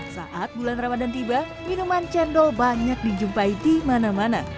saat bulan ramadan tiba minuman cendol banyak dijumpai di mana mana